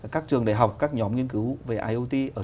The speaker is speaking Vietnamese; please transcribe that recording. các trường đại học các nhóm nghiên cứu về iot